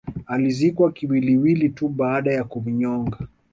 Alizikwa kiwiliwili tuu baada ya kumnyoga